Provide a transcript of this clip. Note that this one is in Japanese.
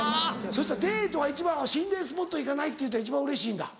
そしたらデートは一番は「心霊スポット行かない？」って言うたら一番うれしいんだ？